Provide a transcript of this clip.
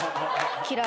嫌い。